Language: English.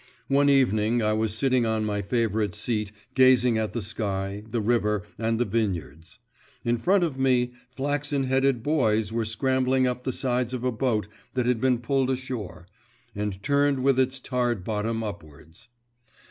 One evening I was sitting on my favourite seat, gazing at the sky, the river, and the vineyards. In front of me flaxen headed boys were scrambling up the sides of a boat that had been pulled ashore, and turned with its tarred bottom upwards.